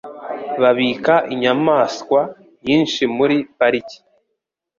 Babika inyamaswa nyinshi muri pariki.